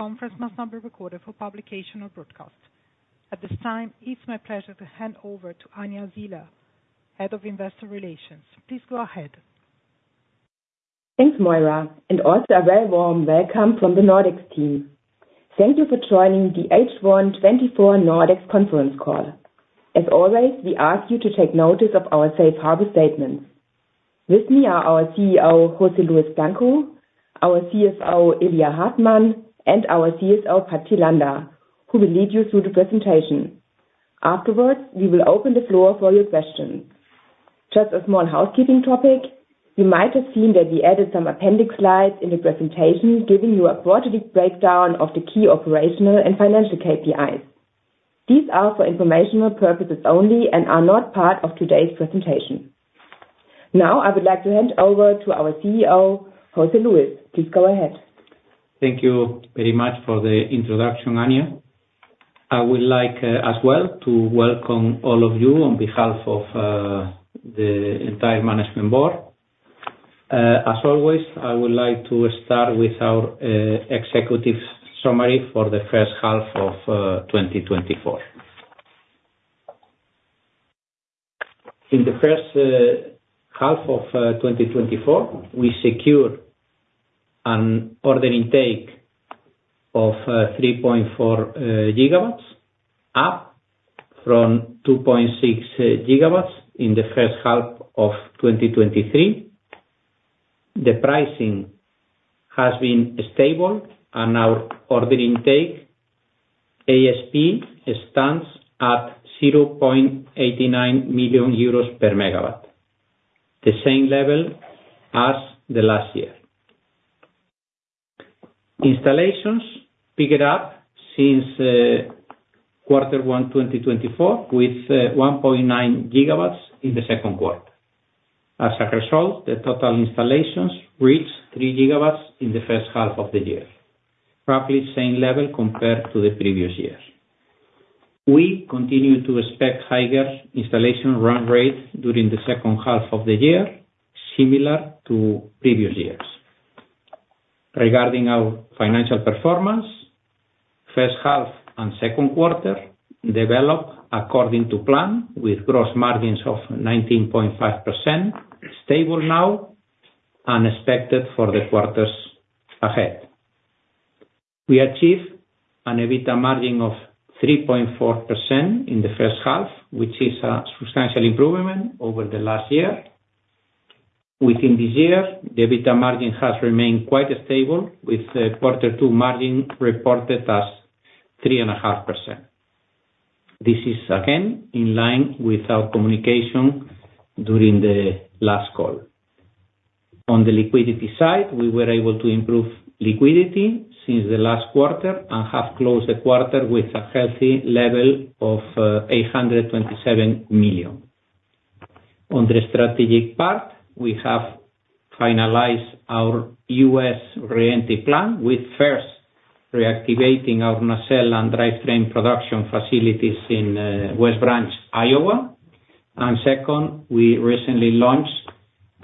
Conference must not be recorded for publication or broadcast. At this time, it's my pleasure to hand over to Anja Siehler, Head of Investor Relations. Please go ahead. Thanks, Moira, and also a very warm welcome from the Nordex team. Thank you for joining the H1 2024 Nordex conference call. As always, we ask you to take notice of our safe harbor statements. With me are our CEO, José Luis Blanco, our CFO, Ilya Hartmann, and our CSO, Patxi Landa, who will lead you through the presentation. Afterwards, we will open the floor for your questions. Just a small housekeeping topic. You might have seen that we added some appendix slides in the presentation, giving you a broader breakdown of the key operational and financial KPIs. These are for informational purposes only and are not part of today's presentation. Now, I would like to hand over to our CEO, José Luis. Please go ahead. Thank you very much for the introduction, Anja. I would like, as well, to welcome all of you on behalf of, the entire management board. As always, I would like to start with our, executive summary for the first half of 2024. In the first, half of 2024, we secured an order intake of, 3.4 GW, up from 2.6 GW in the first half of 2023. The pricing has been stable, and our order intake ASP stands at 0.89 million euros per MW, the same level as last year. Installations picked up since, Q1 2024, with, 1.9 GW in the Q2. As a result, the total installations reached 3 GW in the first half of the year, roughly the same level compared to the previous year. We continue to expect higher installation run rates during the second half of the year, similar to previous years. Regarding our financial performance, first half and Q2 developed according to plan, with gross margins of 19.5%, stable now and expected for the quarters ahead. We achieved an EBITDA margin of 3.4% in the first half, which is a substantial improvement over the last year. Within this year, the EBITDA margin has remained quite stable, with quarter two margin reported as 3.5%. This is, again, in line with our communication during the last call. On the liquidity side, we were able to improve liquidity since the last quarter and have closed the quarter with a healthy level of 827 million. On the strategic part, we have finalized our U.S. re-entry plan, with first, reactivating our nacelle and drivetrain production facilities in West Branch, Iowa. Second, we recently launched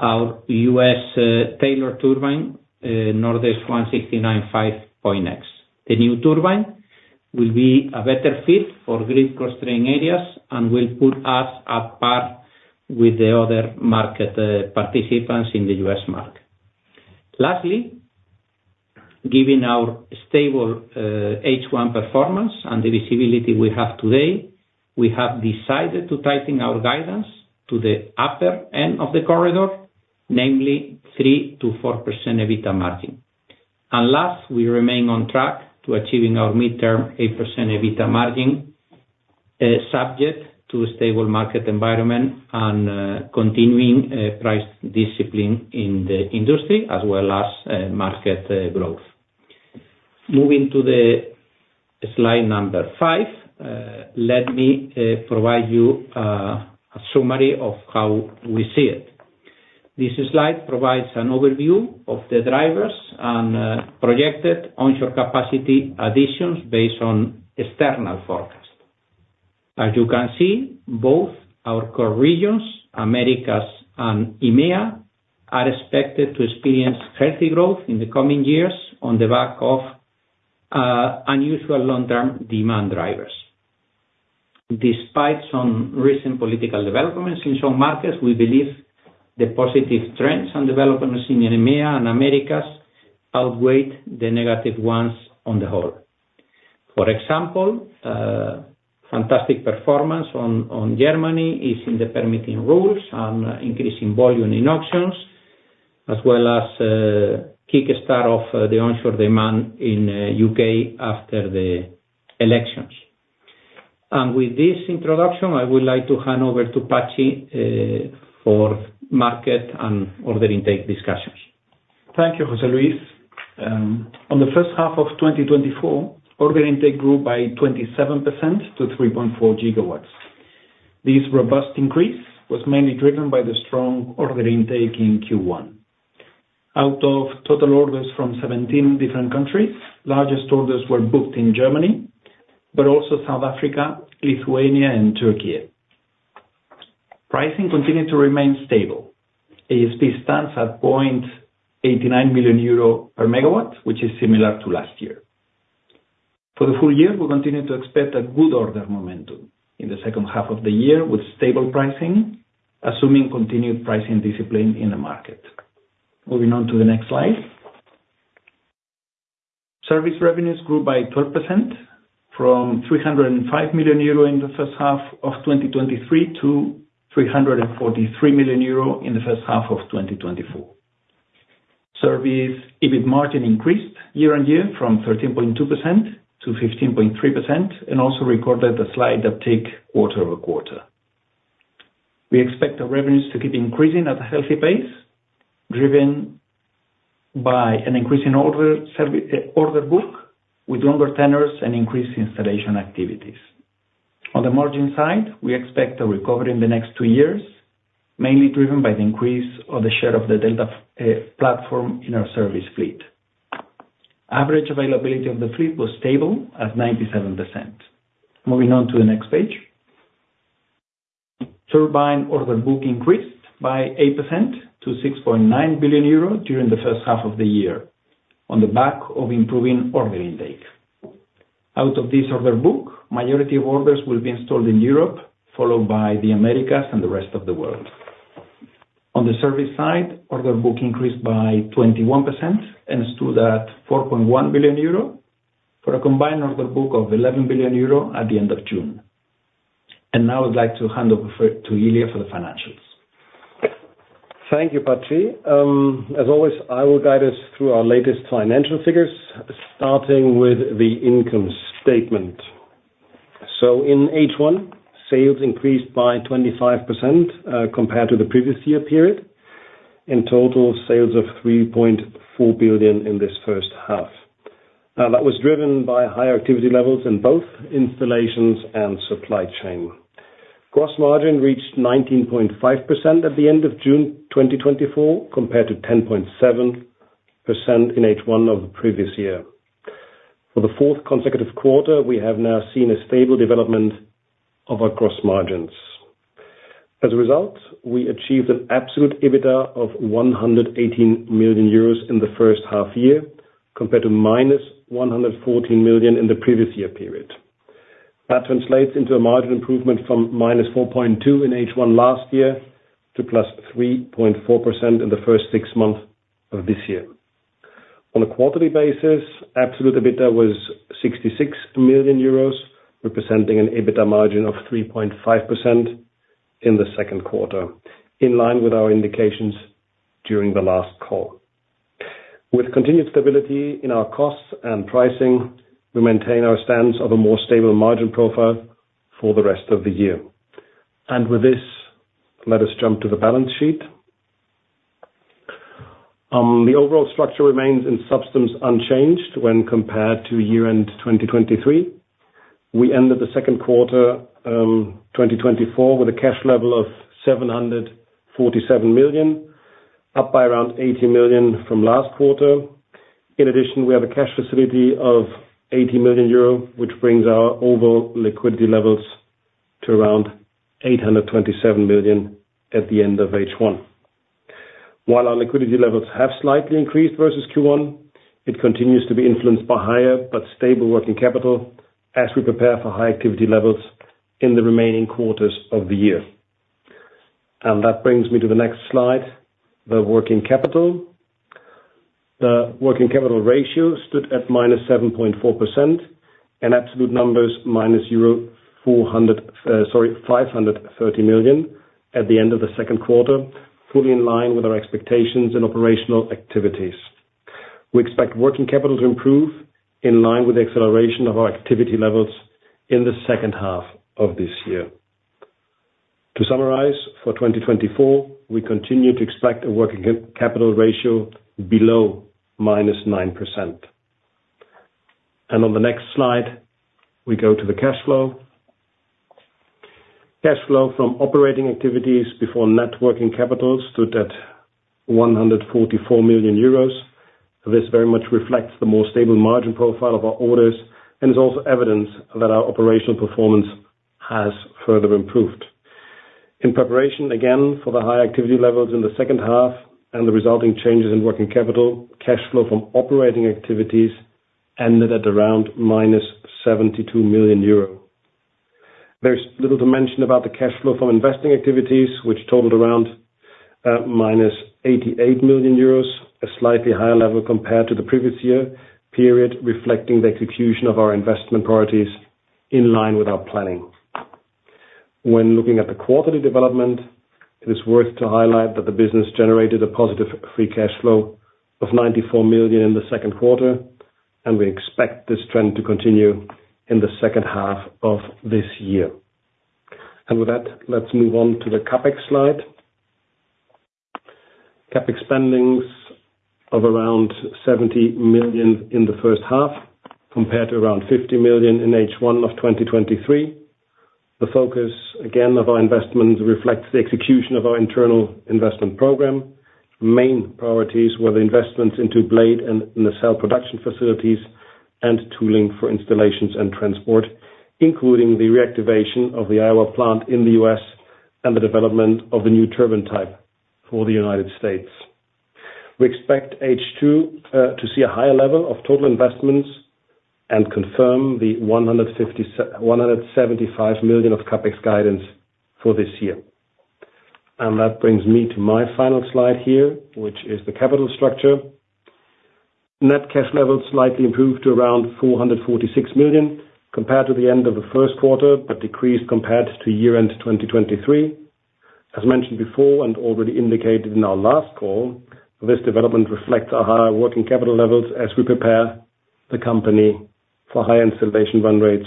our U.S. tailored turbine, Nordex N169/5.X. The new turbine will be a better fit for grid-constrained areas and will put us at par with the other market participants in the U.S. market. Lastly, given our stable H1 performance and the visibility we have today, we have decided to tighten our guidance to the upper end of the corridor, namely 3%-4% EBITDA margin. And last, we remain on track to achieving our midterm 8% EBITDA margin, subject to a stable market environment and continuing price discipline in the industry, as well as market growth. Moving to the slide number 5, let me provide you a summary of how we see it. This slide provides an overview of the drivers and projected onshore capacity additions based on external forecast. As you can see, both our core regions, Americas and EMEA, are expected to experience healthy growth in the coming years on the back of unusual long-term demand drivers. Despite some recent political developments in some markets, we believe the positive trends and developments in EMEA and Americas outweigh the negative ones on the whole. For example, fantastic performance on Germany is in the permitting rules and increasing volume in auctions, as well as kick-start of the onshore demand in UK after the elections. And with this introduction, I would like to hand over to Patxi for market and order intake discussions. Thank you, José Luis. On the first half of 2024, order intake grew by 27% to 3.4 GW. This robust increase was mainly driven by the strong order intake in Q1. Out of total orders from 17 different countries, largest orders were booked in Germany, but also South Africa, Lithuania, and Turkey. Pricing continued to remain stable. ASP stands at 0.89 million euro per MW, which is similar to last year. For the full year, we continue to expect a good order momentum in the second half of the year, with stable pricing, assuming continued pricing discipline in the market. Moving on to the next slide. Service revenues grew by 12% from 305 million euro in the first half of 2023 to 343 million euro in the first half of 2024. Service EBIT margin increased year-on-year from 13.2% to 15.3%, and also recorded a slight uptick quarter-over-quarter. We expect the revenues to keep increasing at a healthy pace, driven by an increase in order book, with longer tenors and increased installation activities. On the margin side, we expect a recovery in the next two years, mainly driven by the increase of the share of the Delta platform in our service fleet. Average availability of the fleet was stable at 97%. Moving on to the next page. Turbine order book increased by 8% to 6.9 billion euro during the first half of the year, on the back of improving order intake. Out of this order book, majority of orders will be installed in Europe, followed by the Americas and the rest of the world. On the service side, order book increased by 21% and stood at 4.1 billion euro, for a combined order book of 11 billion euro at the end of June. Now I'd like to hand over to Ilya for the financials. Thank you, Patxi. As always, I will guide us through our latest financial figures, starting with the income statement. In H1, sales increased by 25%, compared to the previous year period. In total, sales of 3.4 billion in this first half. Now, that was driven by higher activity levels in both installations and supply chain. Gross margin reached 19.5% at the end of June 2024, compared to 10.7% in H1 of the previous year. For the fourth consecutive quarter, we have now seen a stable development of our gross margins. As a result, we achieved an absolute EBITDA of 118 million euros in the first half year, compared to -114 million in the previous year period. That translates into a margin improvement from -4.2 in H1 last year to +3.4% in the first six months of this year. On a quarterly basis, absolute EBITDA was 66 million euros, representing an EBITDA margin of 3.5% in the Q2, in line with our indications during the last call. With continued stability in our costs and pricing, we maintain our stance of a more stable margin profile for the rest of the year. With this, let us jump to the balance sheet. The overall structure remains in substance unchanged when compared to year-end 2023. We ended the Q2, 2024, with a cash level of 747 million, up by around 80 million from last quarter. In addition, we have a cash facility of 80 million euro, which brings our overall liquidity levels to around 827 million at the end of H1. While our liquidity levels have slightly increased versus Q1, it continues to be influenced by higher but stable working capital as we prepare for high activity levels in the remaining quarters of the year. That brings me to the next slide, the working capital. The working capital ratio stood at -7.4%, in absolute numbers, minus euro 400 million, sorry, 530 million at the end of the Q2, fully in line with our expectations and operational activities. We expect working capital to improve in line with the acceleration of our activity levels in the second half of this year. To summarize, for 2024, we continue to expect a working capital ratio below -9%. And on the next slide, we go to the cash flow. Cash flow from operating activities before net working capital stood at 144 million euros. This very much reflects the more stable margin profile of our orders, and is also evidence that our operational performance has further improved. In preparation, again, for the high activity levels in the second half and the resulting changes in working capital, cash flow from operating activities ended at around -72 million euro. There's little to mention about the cash flow from investing activities, which totaled around minus eighty-eight million euros, a slightly higher level compared to the previous year period, reflecting the execution of our investment priorities in line with our planning. When looking at the quarterly development, it is worth to highlight that the business generated a positive free cash flow of 94 million in the Q2, and we expect this trend to continue in the second half of this year. With that, let's move on to the CapEx slide. CapEx spendings of around 70 million in the first half, compared to around 50 million in H1 of 2023. The focus, again, of our investments reflects the execution of our internal investment program. Main priorities were the investments into blade and nacelle production facilities and tooling for installations and transport, including the reactivation of the Iowa plant in the US and the development of the new turbine type for the United States. We expect H2 to see a higher level of total investments and confirm the 175 million of CapEx guidance for this year. That brings me to my final slide here, which is the capital structure. Net cash levels slightly improved to around 446 million compared to the end of the Q1, but decreased compared to year-end 2023. As mentioned before and already indicated in our last call, this development reflects our higher working capital levels as we prepare the company for high installation run rates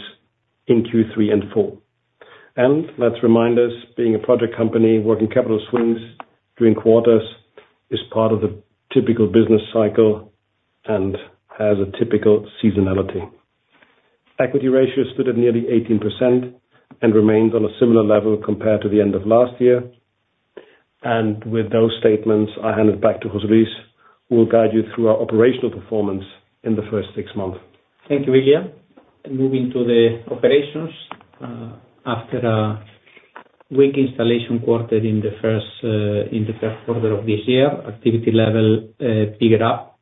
in Q3 and Q4. Let's remind us, being a project company, working capital swings during quarters is part of the typical business cycle and has a typical seasonality. Equity ratio stood at nearly 18% and remains on a similar level compared to the end of last year. With those statements, I hand it back to José Luis, who will guide you through our operational performance in the first six months. Thank you, Ilya. Moving to the operations, after a weak installation quarter in the Q1 of this year, activity level picked up,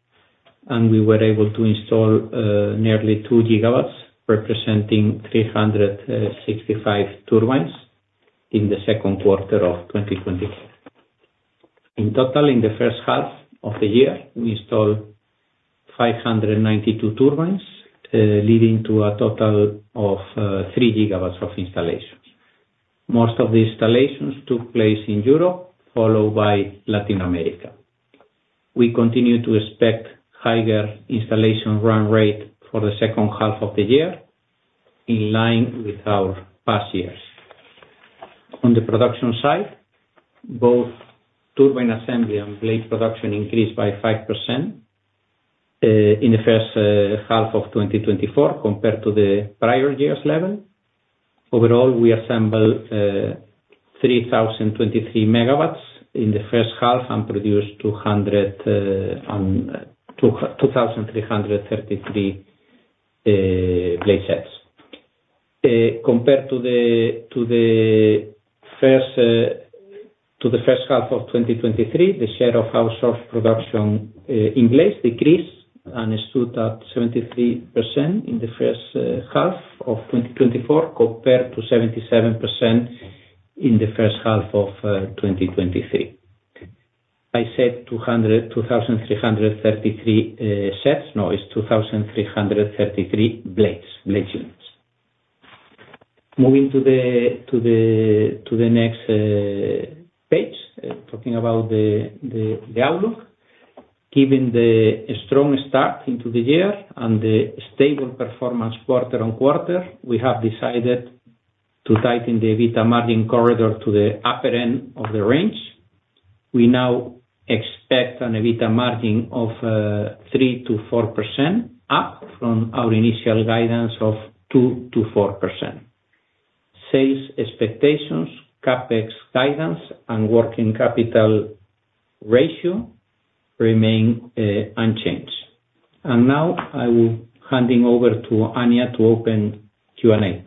and we were able to install nearly 2 GW, representing 365 turbines in the Q2 of 2023. In total, in the first half of the year, we installed 592 turbines, leading to a total of 3 GW of installations. Most of the installations took place in Europe, followed by Latin America. We continue to expect higher installation run rate for the second half of the year, in line with our past years. On the production side, both turbine assembly and blade production increased by 5% in the first half of 2024 compared to the prior year's level. Overall, we assembled 3,023 megawatts in the first half and produced 2,333 blade sets. Compared to the first half of 2023, the share of our soft production in blades decreased and stood at 73% in the first half of 2024, compared to 77% in the first half of 2023. I said two hundred, two thousand three hundred and thirty-three sets? No, it's two thousand three hundred and thirty-three blades, blade sets. Moving to the next page, talking about the outlook. Given the strong start into the year and the stable performance quarter-on-quarter, we have decided to tighten the EBITDA margin corridor to the upper end of the range. We now expect an EBITDA margin of 3%-4%, up from our initial guidance of 2%-4%. Sales expectations, CapEx guidance, and working capital ratio remain unchanged. Now I will handing over to Anja to open Q&A.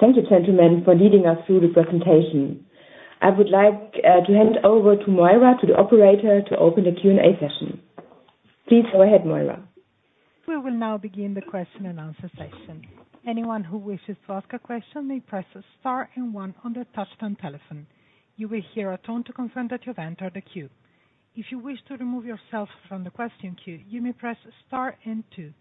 Thank you, gentlemen, for leading us through the presentation. I would like to hand over to Moira, to the operator, to open the Q&A session. Please go ahead, Moira. We will now begin the question and answer session. Anyone who wishes to ask a question may press star and one on their touchtone telephone. You will hear a tone to confirm that you've entered the queue. If you wish to remove yourself from the question queue, you may press star and two.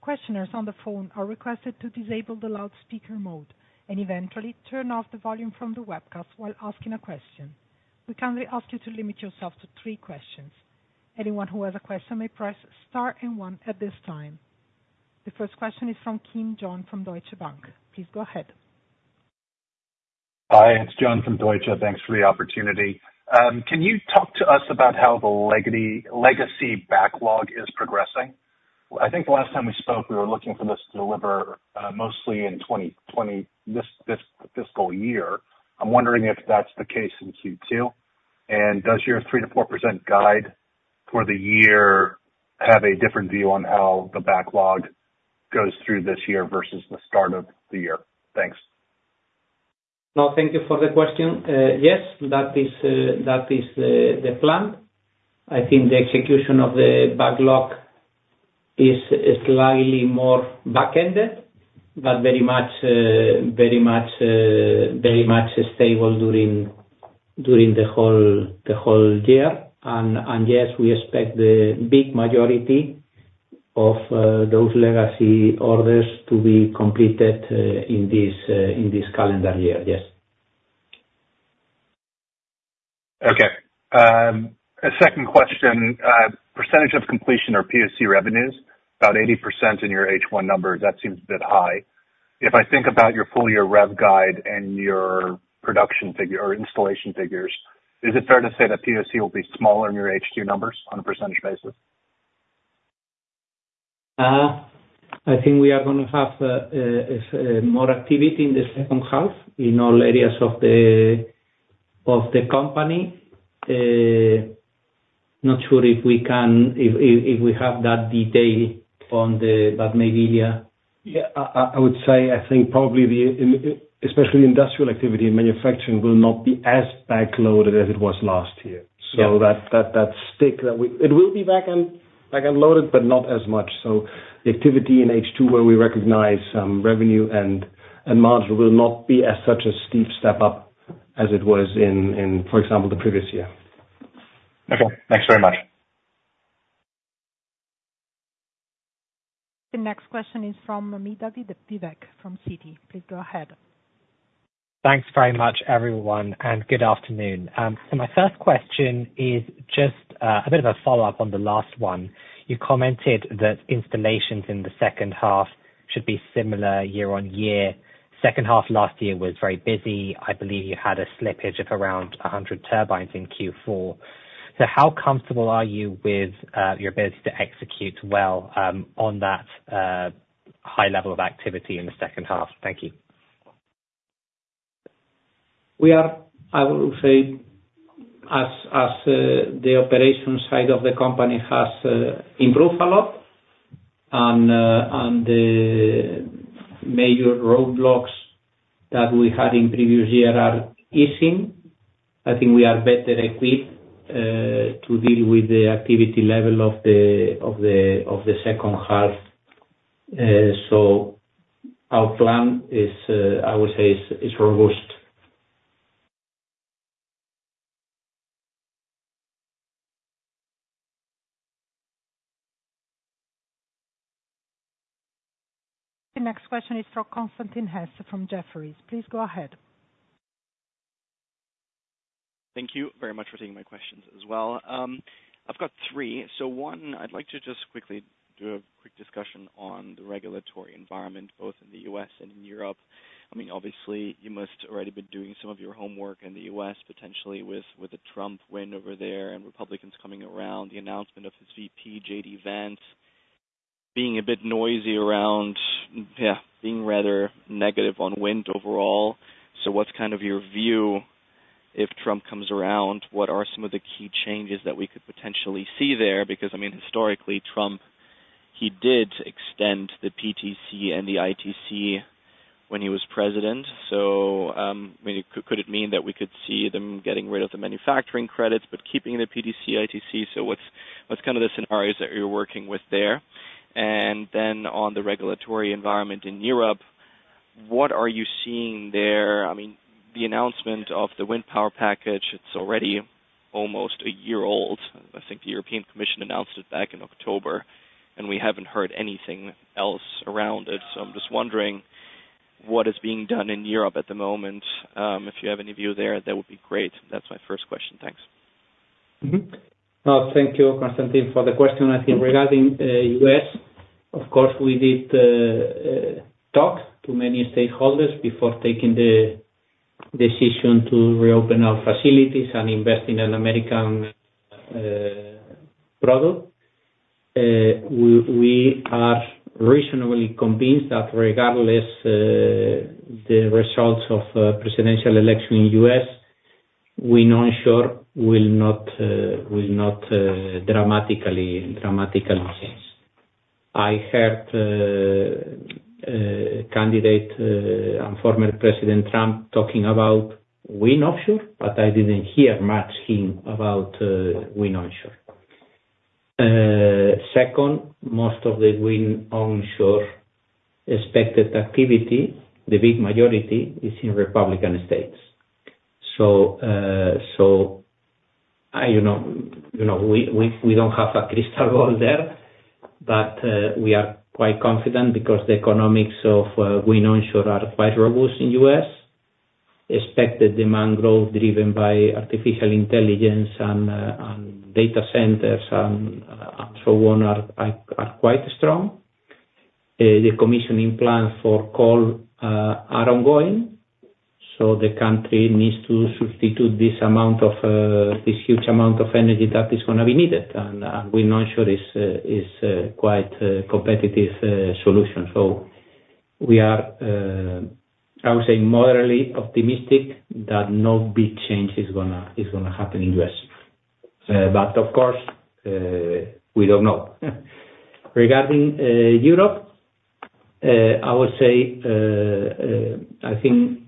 Questioners on the phone are requested to disable the loudspeaker mode and eventually turn off the volume from the webcast while asking a question. We kindly ask you to limit yourself to three questions. Anyone who has a question may press star and one at this time. The first question is from John Kim from Deutsche Bank. Please go ahead. Hi, it's John from Deutsche. Thanks for the opportunity. Can you talk to us about how the legacy backlog is progressing? I think the last time we spoke, we were looking for this to deliver mostly in 2020, this fiscal year. I'm wondering if that's the case in Q2. And does your 3%-4% guide for the year have a different view on how the backlog goes through this year versus the start of the year? Thanks. No, thank you for the question. Yes, that is the plan. I think the execution of the backlog is slightly more back-ended, but very much stable during the whole year. And yes, we expect the big majority of those legacy orders to be completed in this calendar year, yes. Okay. A second question. Percentage of completion or POC revenues, about 80% in your H1 numbers, that seems a bit high. If I think about your full year rev guide and your production figure or installation figures, is it fair to say that POC will be smaller in your H2 numbers on a percentage basis? I think we are gonna have more activity in the second half in all areas of the company, not sure if we can, if we have that detail on the, but maybe, yeah. Yeah, I would say, I think probably especially industrial activity and manufacturing will not be as backloaded as it was last year. Yeah. So that stick that we. It will be back on, back-end loaded, but not as much. So the activity in H2, where we recognize revenue and margin, will not be as such a steep step up as it was in, for example, the previous year. Okay. Thanks very much. The next question is from Vivek Midha from Citi. Please go ahead. Thanks very much, everyone, and good afternoon. So my first question is just a bit of a follow-up on the last one. You commented that installations in the second half should be similar year-on-year. Second half last year was very busy. I believe you had a slippage of around 100 turbines in Q4. So how comfortable are you with your ability to execute well on that high level of activity in the second half? Thank you. We are, I will say, as the operations side of the company has improved a lot, and the major roadblocks that we had in previous year are easing. I think we are better equipped to deal with the activity level of the second half. So our plan is, I would say, is robust. The next question is from Constantin Hesse from Jefferies. Please go ahead. Thank you very much for taking my questions as well. I've got three. So one, I'd like to just quickly do a quick discussion on the regulatory environment, both in the U.S. and in Europe. I mean, obviously, you must already been doing some of your homework in the U.S., potentially with, with the Trump win over there, and Republicans coming around, the announcement of his VP, J.D. Vance, being a bit noisy around, yeah, being rather negative on wind overall. So what's kind of your view if Trump comes around? What are some of the key changes that we could potentially see there? Because, I mean, historically, Trump, he did extend the PTC and the ITC when he was president, so, I mean, could it mean that we could see them getting rid of the manufacturing credits, but keeping the PTC, ITC? What's, what's kind of the scenarios that you're working with there? And then on the regulatory environment in Europe, what are you seeing there? I mean, the announcement of the wind power package, it's already almost a year old. I think the European Commission announced it back in October, and we haven't heard anything else around it. So I'm just wondering what is being done in Europe at the moment. If you have any view there, that would be great. That's my first question. Thanks. Thank you, Constantin, for the question. I think regarding US, of course, we did talk to many stakeholders before taking the decision to reopen our facilities and invest in an American product. We are reasonably convinced that regardless the results of presidential election in US, we know onshore will not dramatically change. I heard candidate and former President Trump talking about wind offshore, but I didn't hear much him about wind onshore. Second, most of the wind onshore expected activity, the big majority is in Republican states. So, I, you know, you know, we, we, we don't have a crystal ball there, but we are quite confident because the economics of wind onshore are quite robust in US. Expected demand growth driven by artificial intelligence and data centers and so on are quite strong. The commissioning plan for coal are ongoing, so the country needs to substitute this huge amount of energy that is gonna be needed, and wind onshore is quite competitive solution. So we are, I would say, moderately optimistic that no big change is gonna happen in US. But of course, we don't know. Regarding Europe, I would say I think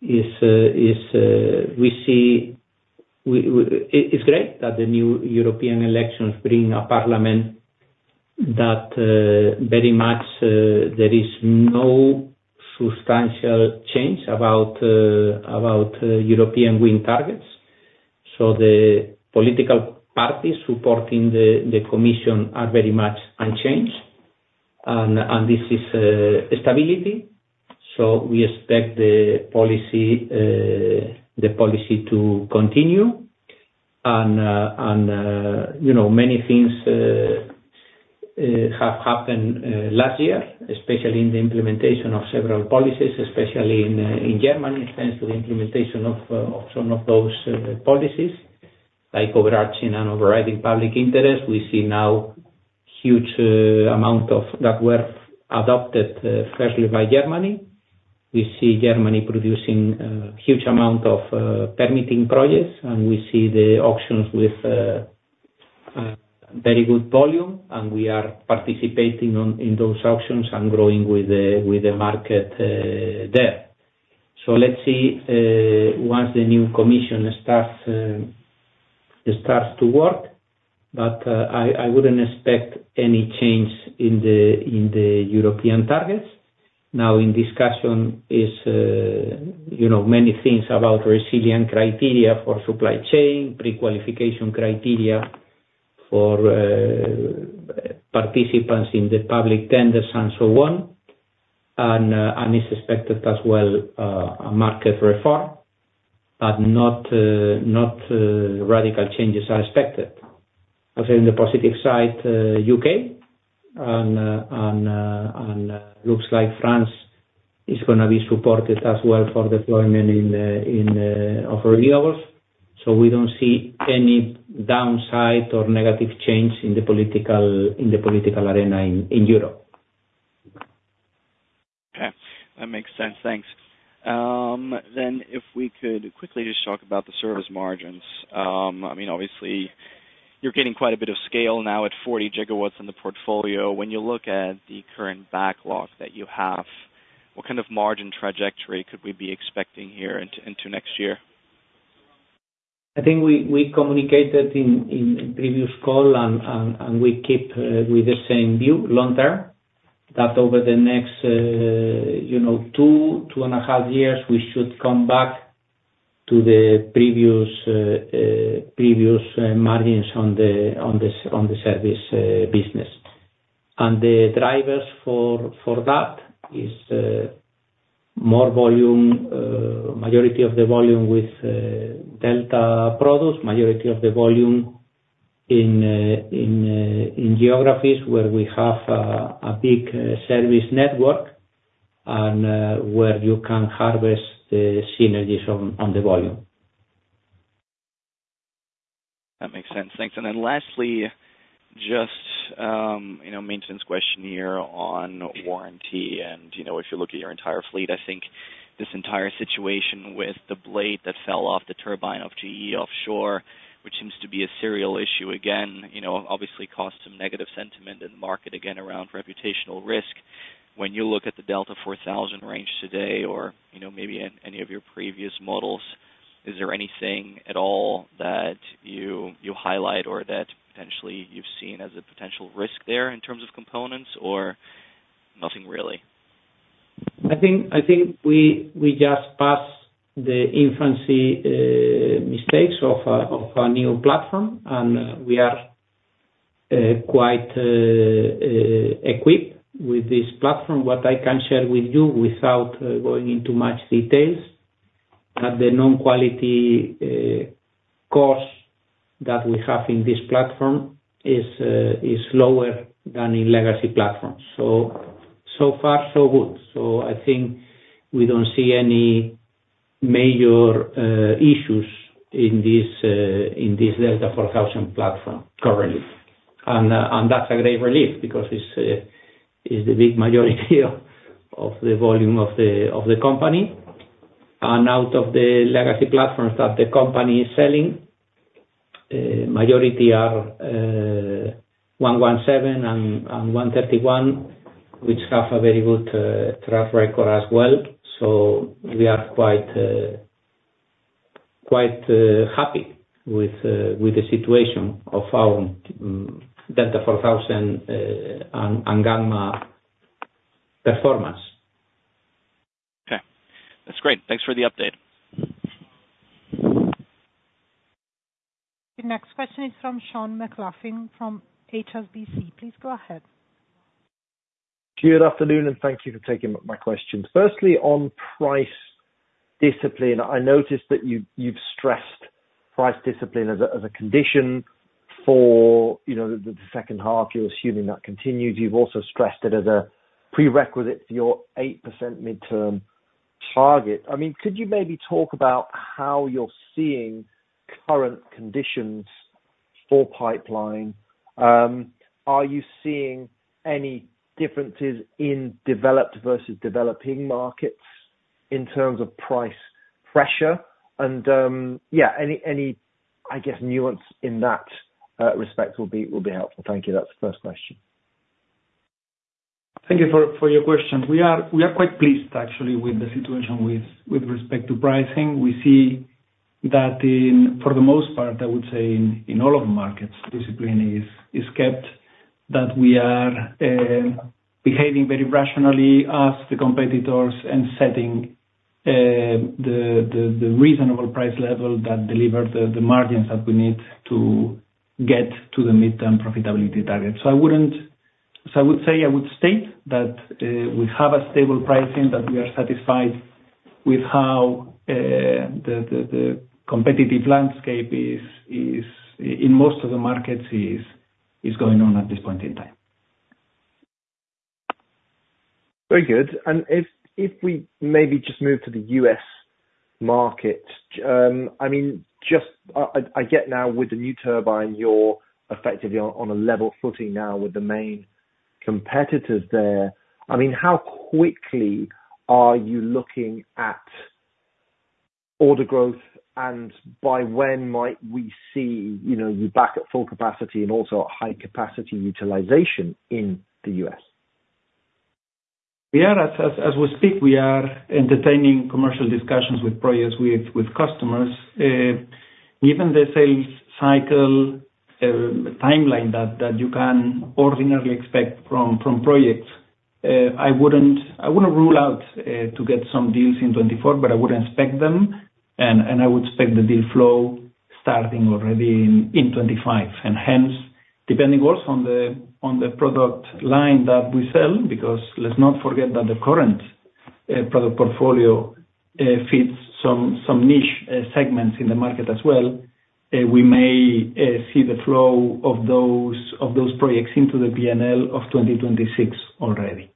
it is great that the new European elections bring a parliament that very much there is no substantial change about European wind targets. So the political parties supporting the, the commission are very much unchanged, and, and this is, stability, so we expect the policy, the policy to continue. And, and, you know, many things, have happened, last year, especially in the implementation of several policies, especially in, in Germany, thanks to the implementation of, of some of those, policies, like overarching and overriding public interest, we see now huge amount of that were adopted, firstly, by Germany. We see Germany producing, huge amount of, permitting projects, and we see the auctions with, very good volume, and we are participating on, in those auctions and growing with the, with the market, there. So let's see, once the new commission starts to work, but I wouldn't expect any change in the European targets. Now, in discussion is you know many things about resilient criteria for supply chain, prequalification criteria for participants in the public tenders, and so on. And is expected as well a market reform, but not radical changes are expected. As in the positive side, UK and looks like France is gonna be supported as well for deployment of renewables. So we don't see any downside or negative change in the political arena in Europe. Okay, that makes sense. Thanks. Then if we could quickly just talk about the service margins. I mean, obviously, you're getting quite a bit of scale now at 40 GW in the portfolio. When you look at the current backlog that you have, what kind of margin trajectory could we be expecting here into next year? I think we communicated in previous call, and we keep with the same view long term, that over the next, you know, 2.5 years, we should come back to the previous margins on the service business. And the drivers for that is more volume, majority of the volume with Delta products, majority of the volume in geographies where we have a big service network, and where you can harvest the synergies on the volume. That makes sense. Thanks. And then lastly, just, you know, maintenance question here on warranty, and, you know, if you look at your entire fleet, I think this entire situation with the blade that fell off the turbine of GE offshore, which seems to be a serial issue, again, you know, obviously caused some negative sentiment in the market, again, around reputational risk. When you look at the Delta4000 range today or, you know, maybe in any of your previous models, is there anything at all that you, you highlight or that potentially you've seen as a potential risk there in terms of components or nothing, really? I think, I think we just passed the infancy mistakes of a new platform, and we are quite equipped with this platform. What I can share with you, without going into much details, that the non-quality cost that we have in this platform is lower than in legacy platforms. So far, so good. So I think we don't see any major issues in this Delta4000 platform currently. And that's a great relief because it's the big majority of the volume of the company. And out of the legacy platforms that the company is selling, majority are N117 and N131, which have a very good track record as well. So we are quite happy with the situation of our Delta4000 and Gamma performance. Okay. That's great. Thanks for the update. The next question is from Sean McLoughlin from HSBC. Please go ahead. Good afternoon, and thank you for taking my questions. Firstly, on price discipline, I noticed that you've stressed price discipline as a condition for, you know, the second half. You're assuming that continues. You've also stressed it as a prerequisite to your 8% midterm target. I mean, could you maybe talk about how you're seeing current conditions for pipeline? Are you seeing any differences in developed versus developing markets in terms of price pressure? And yeah, any, I guess, nuance in that respect will be helpful. Thank you. That's the first question. Thank you for your question. We are quite pleased actually with the situation with respect to pricing. We see that for the most part, I would say in all of the markets, discipline is kept, that we are behaving very rationally as the competitors and setting the reasonable price level that deliver the margins that we need to get to the midterm profitability target. So I would say, I would state that we have a stable pricing, that we are satisfied with how the competitive landscape is in most of the markets, is going on at this point in time.... Very good. And if we maybe just move to the U.S. market, I mean, just, I get now with the new turbine, you're effectively on a level footing now with the main competitors there. I mean, how quickly are you looking at order growth, and by when might we see, you know, you back at full capacity and also at high capacity utilization in the U.S.? Yeah, as we speak, we are entertaining commercial discussions with projects, with customers. Given the sales cycle timeline that you can ordinarily expect from projects, I wouldn't rule out to get some deals in 2024, but I wouldn't expect them, and I would expect the deal flow starting already in 2025. And hence, depending also on the product line that we sell, because let's not forget that the current product portfolio fits some niche segments in the market as well, we may see the flow of those projects into the P&L of 2026 already.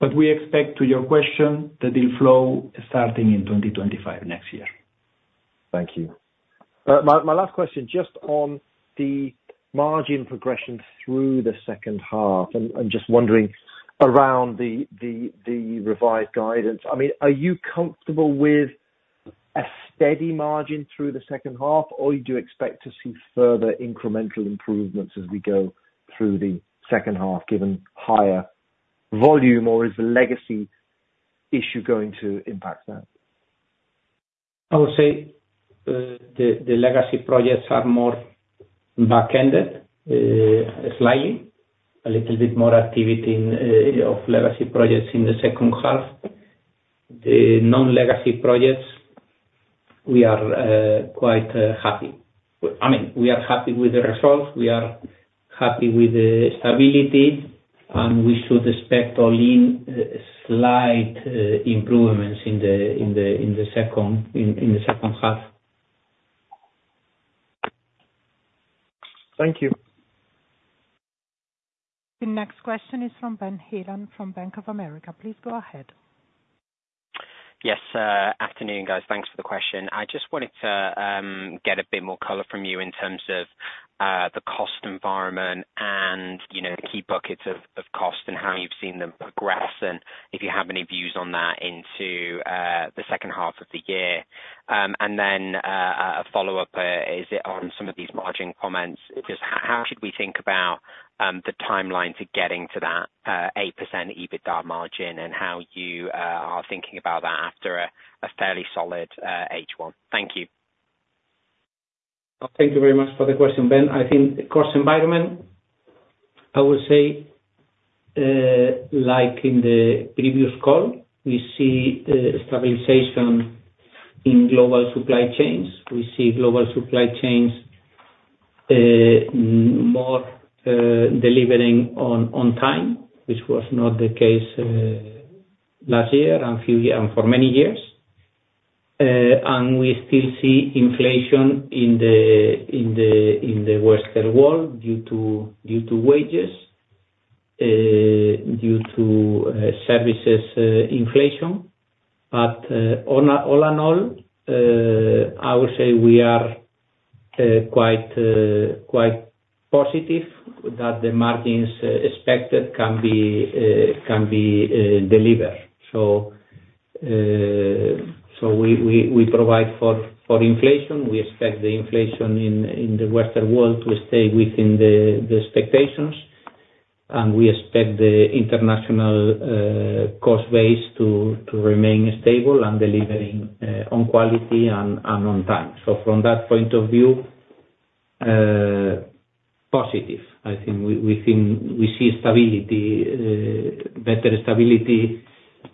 But we expect, to your question, the deal flow starting in 2025, next year. Thank you. My last question, just on the margin progression through the second half, and I'm just wondering around the revised guidance. I mean, are you comfortable with a steady margin through the second half, or you do expect to see further incremental improvements as we go through the second half, given higher volume, or is the legacy issue going to impact that? I would say, the legacy projects are more back-ended, slightly, a little bit more activity in legacy projects in the second half. The non-legacy projects, we are quite happy. I mean, we are happy with the results, we are happy with the stability, and we should expect only slight improvements in the second half. Thank you. The next question is from Ben Heelan from Bank of America. Please go ahead. Yes, afternoon, guys. Thanks for the question. I just wanted to get a bit more color from you in terms of the cost environment and, you know, the key buckets of cost and how you've seen them progress, and if you have any views on that into the second half of the year. And then a follow-up is it on some of these margin comments, just how should we think about the timeline to getting to that 8% EBITDA margin, and how you are thinking about that after a fairly solid H1? Thank you. Thank you very much for the question, Ben. I think the cost environment, I would say, like in the previous call, we see stabilization in global supply chains. We see global supply chains more delivering on time, which was not the case last year and a few years and for many years. And we still see inflation in the western world, due to wages, due to services inflation. But on all in all, I would say we are quite quite positive that the margins expected can be can be delivered. So so we we we provide for for inflation. We expect the inflation in the western world to stay within the expectations, and we expect the international cost base to remain stable and delivering on quality and on time. So from that point of view, positive. I think we think we see stability, better stability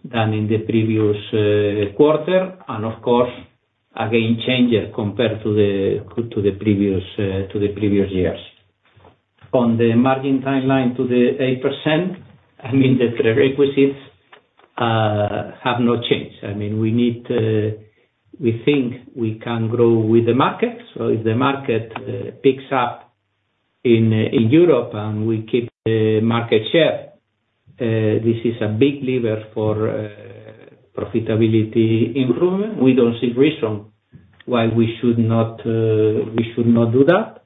than in the previous quarter, and of course, again, changed compared to the previous years. On the margin timeline to the 8%, I mean, the prerequisites have not changed. I mean, we need... we think we can grow with the market, so if the market picks up in Europe and we keep market share, this is a big lever for profitability improvement. We don't see reason why we should not do that.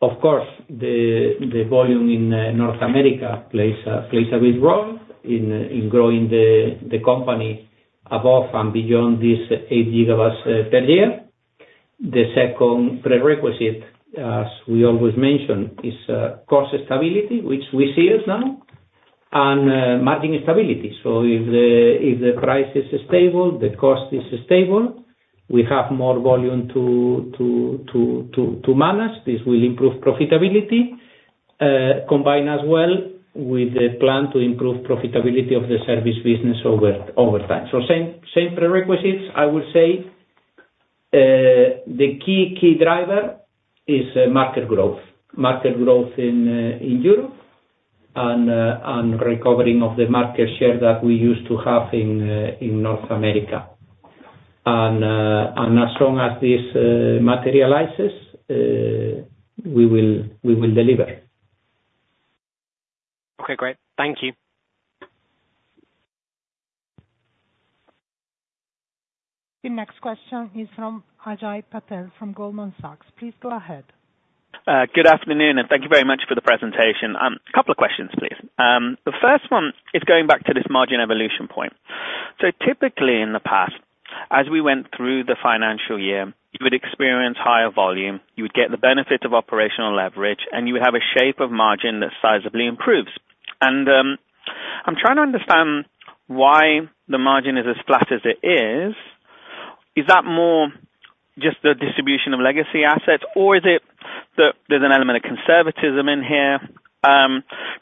Of course, the volume in North America plays a big role in growing the company above and beyond this 8 GW per year. The second prerequisite, as we always mention, is cost stability, which we see it now, and margin stability. So if the price is stable, the cost is stable, we have more volume to manage, this will improve profitability, combined as well with the plan to improve profitability of the service business over time. So same prerequisites, I would say. The key driver is market growth. Market growth in Europe, and recovering of the market share that we used to have in North America... and as long as this materializes, we will deliver. Okay, great. Thank you. The next question is from Ajay Patel from Goldman Sachs. Please go ahead. Good afternoon, and thank you very much for the presentation. Couple of questions, please. The first one is going back to this margin evolution point. So typically, in the past, as we went through the financial year, you would experience higher volume, you would get the benefit of operational leverage, and you would have a shape of margin that sizably improves. I'm trying to understand why the margin is as flat as it is. Is that more just the distribution of legacy assets, or is it that there's an element of conservatism in here?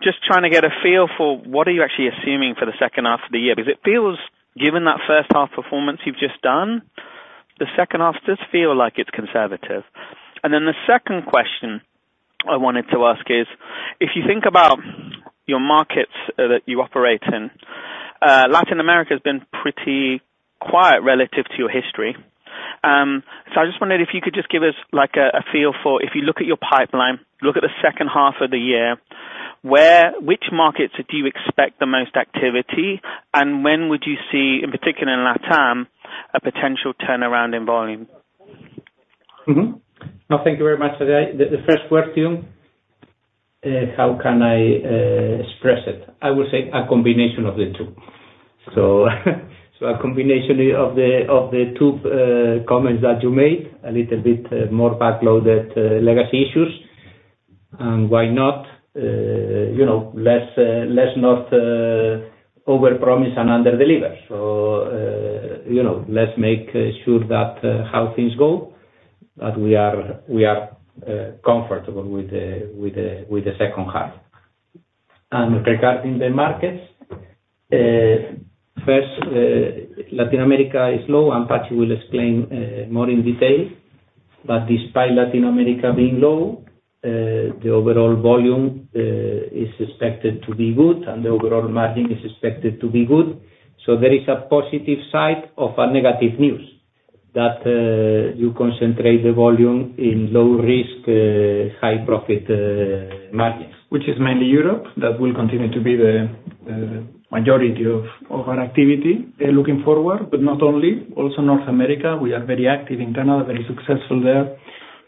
Just trying to get a feel for what are you actually assuming for the second half of the year. Because it feels, given that first half performance you've just done, the second half does feel like it's conservative. And then the second question I wanted to ask is: if you think about your markets, that you operate in, Latin America's been pretty quiet relative to your history. So I just wondered if you could just give us, like, a feel for if you look at your pipeline, look at the second half of the year, where, which markets do you expect the most activity, and when would you see, in particular in LatAm, a potential turnaround in volume? Mm-hmm. No, thank you very much, Ajay. The first question, how can I express it? I would say a combination of the two. So, a combination of the two, comments that you made, a little bit more backloaded, legacy issues. And why not? You know, let's not overpromise and underdeliver. So, you know, let's make sure that how things go, but we are comfortable with the second half. And regarding the markets, first, Latin America is low, and Patxi will explain more in detail. But despite Latin America being low, the overall volume is expected to be good, and the overall margin is expected to be good. There is a positive side of a negative news, that you concentrate the volume in low risk, high profit margins. Which is mainly Europe. That will continue to be the majority of our activity looking forward, but not only, also North America. We are very active in Canada, very successful there.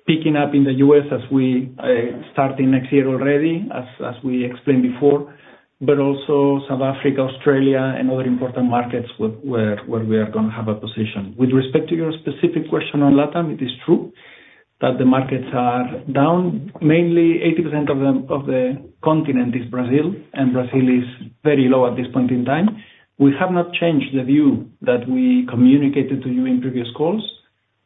Picking up in the US as we starting next year already, as we explained before, but also South Africa, Australia, and other important markets where we are gonna have a position. With respect to your specific question on LatAm, it is true that the markets are down. Mainly 80% of the continent is Brazil, and Brazil is very low at this point in time. We have not changed the view that we communicated to you in previous calls,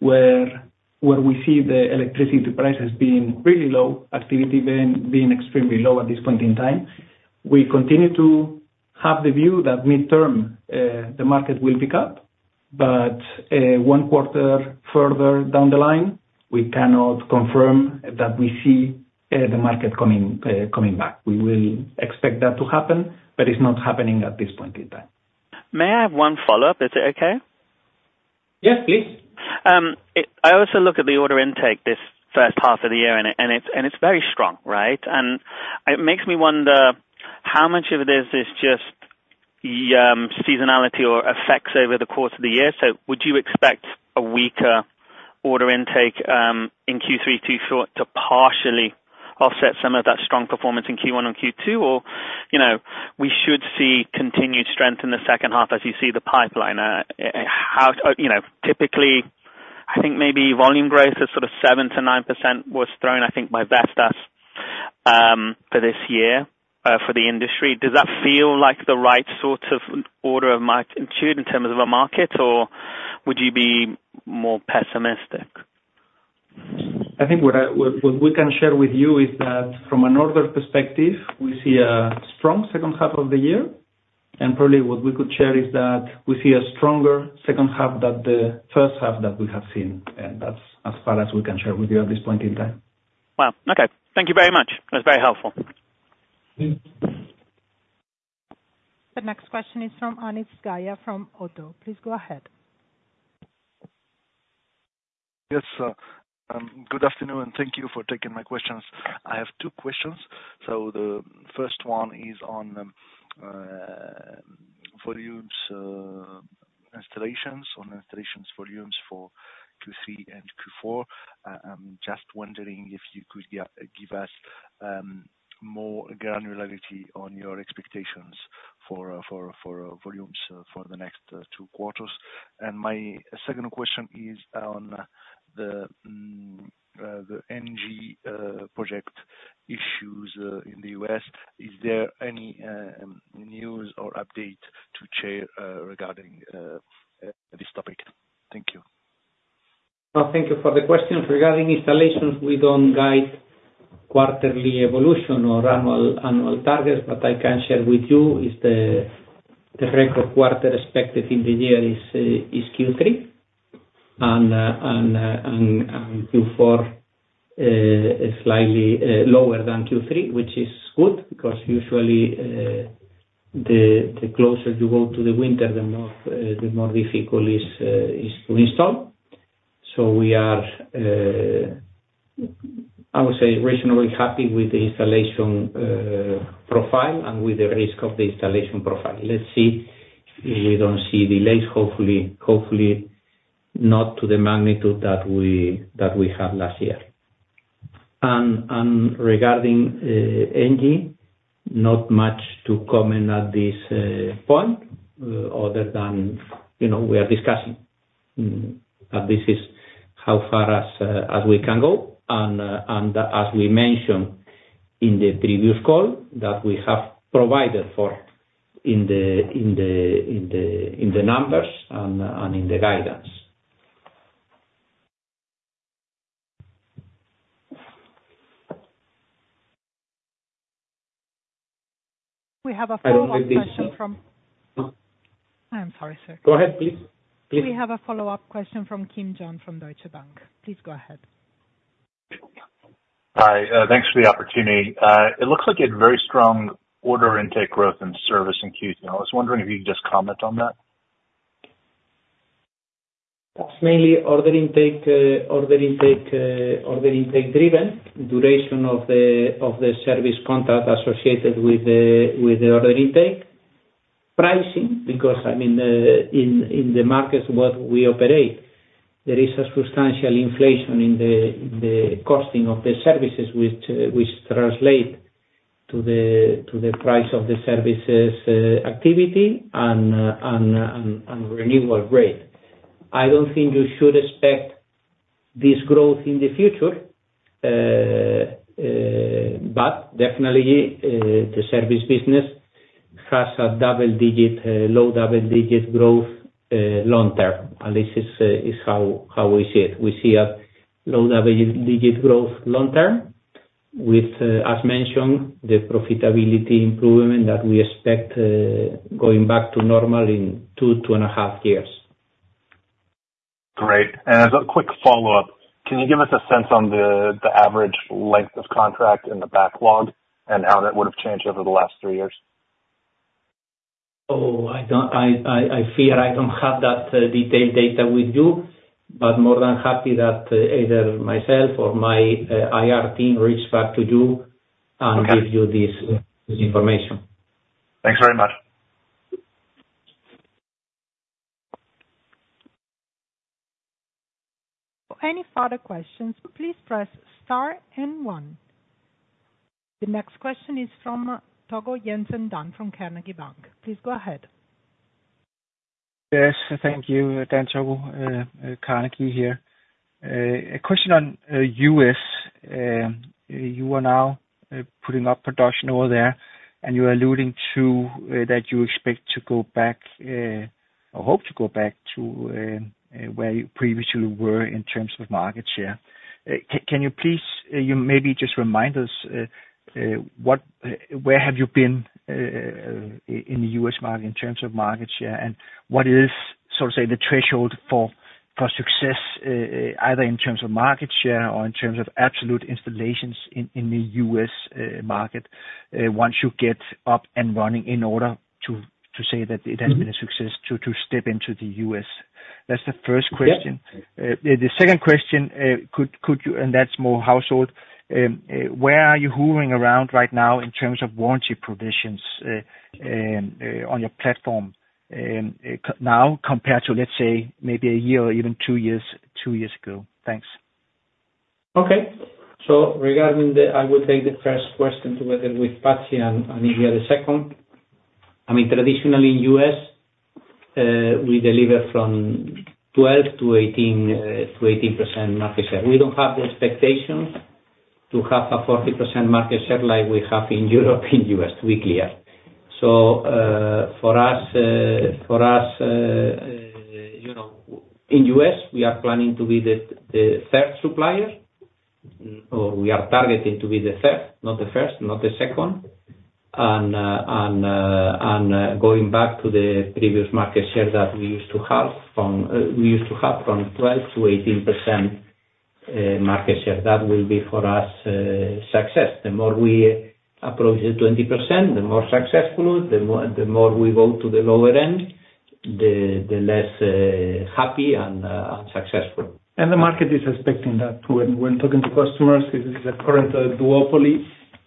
where we see the electricity prices being really low, activity being extremely low at this point in time. We continue to have the view that midterm, the market will pick up, but one quarter further down the line, we cannot confirm that we see the market coming back. We will expect that to happen, but it's not happening at this point in time. May I have one follow-up? Is it okay? Yes, please. It. I also look at the order intake this first half of the year, and it's very strong, right? And it makes me wonder how much of it is just seasonality or effects over the course of the year. So would you expect a weaker order intake in Q3 to partially offset some of that strong performance in Q1 and Q2? Or, you know, we should see continued strength in the second half as you see the pipeline. You know, typically, I think maybe volume growth is sort of 7%-9% was thrown, I think, by Vestas, for this year, for the industry. Does that feel like the right sort of order of magnitude in terms of a market, or would you be more pessimistic? I think what we can share with you is that from an order perspective, we see a strong second half of the year. Probably what we could share is that we see a stronger second half than the first half that we have seen, and that's as far as we can share with you at this point in time. Well, okay. Thank you very much. That's very helpful. Thank you. The next question is from Anis Zgaya from ODDO. Please go ahead. Yes, good afternoon, and thank you for taking my questions. I have two questions. So the first one is on volumes, installations, on installations volumes for Q3 and Q4. I'm just wondering if you could give us more granularity on your expectations for volumes for the next two quarters. And my second question is on the ENGIE project issues in the U.S. Is there any news or update to share regarding this topic? Thank you. Well, thank you for the questions. Regarding installations, we don't guide quarterly evolution or annual, annual targets, but I can share with you is the record quarter expected in the year is Q3, and Q4 slightly lower than Q3, which is good, because usually the closer you go to the winter, the more, the more difficult is to install. So we are, I would say reasonably happy with the installation profile and with the risk of the installation profile. Let's see if we don't see delays, hopefully, hopefully not to the magnitude that we had last year. And regarding ENGIE, not much to comment at this point, other than, you know, we are discussing, and this is how far as we can go. And as we mentioned in the previous call, that we have provided for in the numbers and in the guidance. We have a follow-up question from I don't think this I am sorry, sir. Go ahead, please. Please. We have a follow-up question from John Kim from Deutsche Bank. Please go ahead. Hi, thanks for the opportunity. It looks like you had very strong order intake growth and service in Q3. I was wondering if you could just comment on that? That's mainly order intake driven, duration of the service contract associated with the order intake. Pricing, because, I mean, in the markets what we operate, there is a substantial inflation in the costing of the services which translate to the price of the services, activity and renewal rate. I don't think you should expect this growth in the future. But definitely, the service business has a double digit, low double digit growth long term, and this is how we see it. We see a low double digit growth long term with, as mentioned, the profitability improvement that we expect, going back to normal in two, two and a half years. Great. And as a quick follow-up, can you give us a sense on the average length of contract in the backlog and how that would have changed over the last three years? Oh, I don't. I fear I don't have that detailed data with you, but more than happy that either myself or my IR team reach back to you. Okay And give you this, this information. Thanks very much. Any further questions, please press star and one. The next question is from Togo Jensen from Carnegie Bank. Please go ahead. Yes, thank you. Togo Jensen, Carnegie here. A question on US. You are now putting up production over there, and you're alluding to that you expect to go back, or hope to go back to where you previously were in terms of market share. Can you please, you maybe just remind us what where have you been in the US market in terms of market share? And what is, so to say, the threshold for success, either in terms of market share or in terms of absolute installations in the US market, once you get up and running, in order to say that it has been a success to step into the U.S.? That's the first question. Yeah. The second question, could you and that's more household, where are you hovering around right now in terms of warranty provisions on your platform now compared to, let's say, maybe a year or even two years, two years ago? Thanks. Okay. So regarding the, I will take the first question together with Patxi, and, and you hear the second. I mean, traditionally, US, we deliver from 12 to 18, to 18% market share. We don't have the expectations to have a 40% market share like we have in Europe, in US, to be clear. So, for us, for us, you know, in US, we are planning to be the, the third supplier, or we are targeting to be the third, not the first, not the second. And, and, and, going back to the previous market share that we used to have from, we used to have from 12 to 18%, market share, that will be, for us, success. The more we approach the 20%, the more successful, the more we go to the lower end, the less happy and successful. The market is expecting that, too. When talking to customers, this is a current duopoly,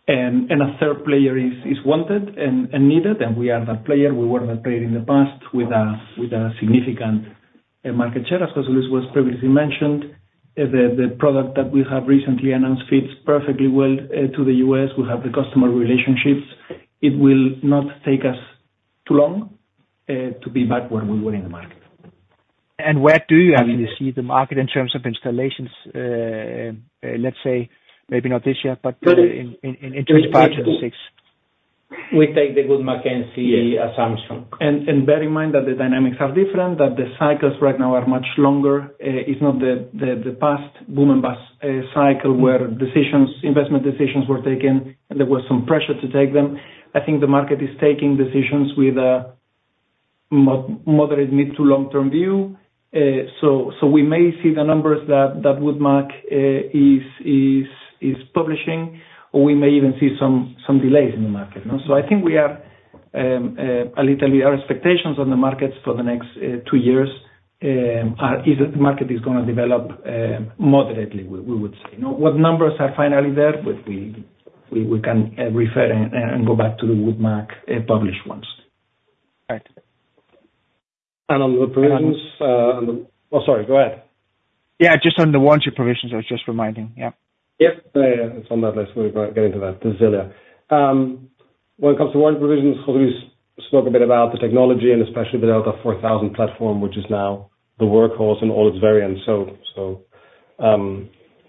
and a third player is wanted and needed, and we are that player. We were that player in the past with a significant market share. As José Luis was previously mentioned, the product that we have recently announced fits perfectly well to the U.S. We have the customer relationships. It will not take us too long to be back where we were in the market. Where do you actually see the market in terms of installations, let's say maybe not this year, but in 2, 5-6? We take the Wood Mackenzie assumption. And bear in mind that the dynamics are different, that the cycles right now are much longer. It's not the past boom and bust cycle where decisions, investment decisions were taken, and there was some pressure to take them. I think the market is taking decisions with moderate mid to long term view. So, so we may see the numbers that, that Woodmac is publishing, or we may even see some delays in the market, you know? So I think we are a little, our expectations on the markets for the next two years are either the market is gonna develop moderately, we would say. Now, what numbers are finally there, but we can refer and go back to the Woodmac published ones. Right. On the provisions, on the, oh, sorry, go ahead. Yeah, just on the warranty provisions, I was just reminding. Yeah. Yep, yeah, it's on that list. We'll go get into that, Zagaia. When it comes to warranty provisions, José Luis spoke a bit about the technology, and especially the Delta 4000 platform, which is now the workhorse in all its variants. So,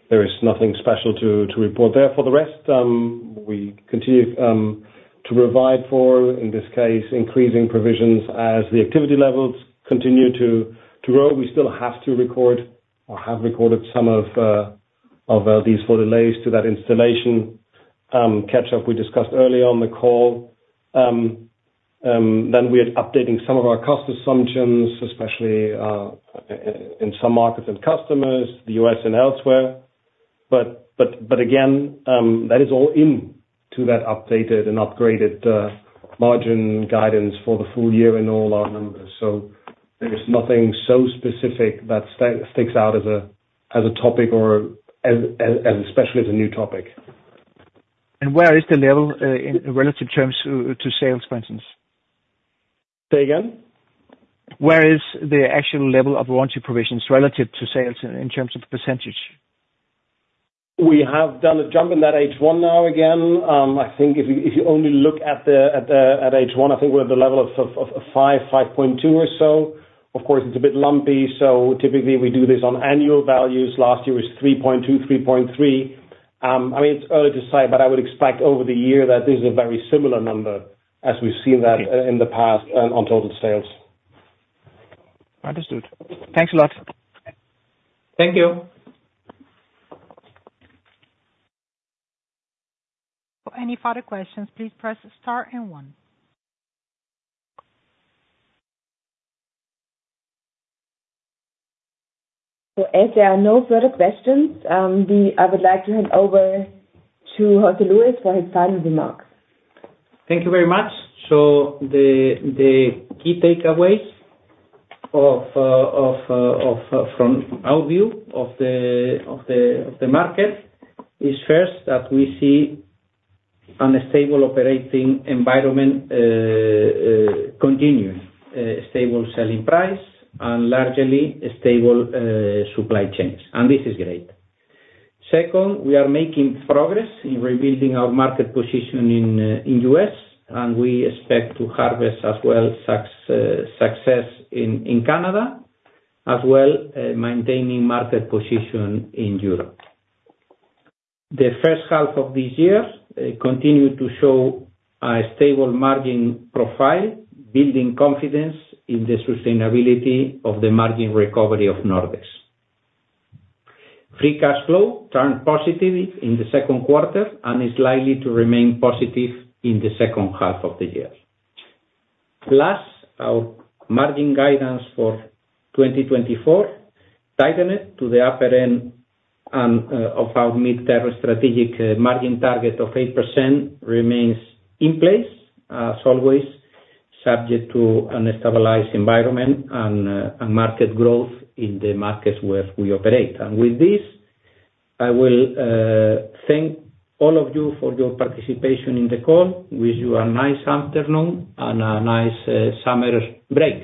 there is nothing special to report there. For the rest, we continue to provide for, in this case, increasing provisions as the activity levels continue to grow. We still have to record or have recorded some of these for delays to that installation catch up we discussed earlier on the call. Then we are updating some of our cost assumptions, especially in some markets and customers, the US and elsewhere. But again, that is all into that updated and upgraded margin guidance for the full year and all our numbers. So there is nothing so specific that sticks out as especially a new topic. Where is the level in relative terms to sales, for instance? Say again? Where is the actual level of warranty provisions relative to sales in terms of percentage? We have done a jump in that H1 now again. I think if you, if you only look at the, at the, at H1, I think we're at the level of 5, 5.2 or so. Of course, it's a bit lumpy, so typically we do this on annual values. Last year was 3.2, 3.3. I mean, it's early to say, but I would expect over the year that this is a very similar number as we've seen that in the past, on total sales. Understood. Thanks a lot. Thank you. For any further questions, please press star and one. So as there are no further questions, I would like to hand over to José Luis for his final remarks. Thank you very much. So the key takeaways from our view of the market is first, that we see a stable operating environment, continuing stable selling price and largely a stable supply chains, and this is great. Second, we are making progress in rebuilding our market position in the U.S., and we expect to harvest as well success in Canada, as well, maintaining market position in Europe. The first half of this year continued to show a stable margin profile, building confidence in the sustainability of the margin recovery of Nordex. Free cash flow turned positive in the Q2 and is likely to remain positive in the second half of the year. Plus, our margin guidance for 2024, targeted to the upper end and of our mid-term strategic margin target of 8% remains in place, as always, subject to a stabilized environment and market growth in the markets where we operate. With this, I will thank all of you for your participation in the call, wish you a nice afternoon and a nice summer break.